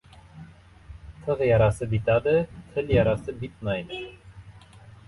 • Tig‘ yarasi bitadi, til yarasi bitmaydi.